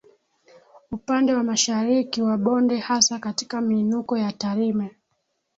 Upande wa Mashariki wa bonde hasa katika miinuko ya Tarime